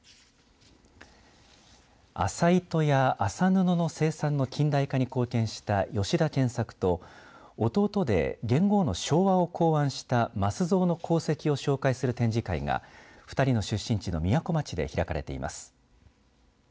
麻糸や麻布の近代化に貢献した吉田健作と弟で、元号の昭和を提案した増蔵の功績を紹介する展示会が２人の出身地のみやこ町で開かれています。